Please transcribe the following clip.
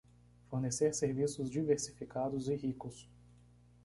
Fornecer serviços diversificados e ricos